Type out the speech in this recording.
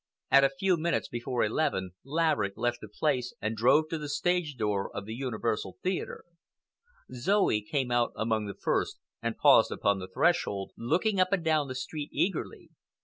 At a few minutes before eleven Laverick left the place and drove to the stage door of the Universal Theatre. Zoe came out among the first and paused upon the threshold, looking up and down the street eagerly.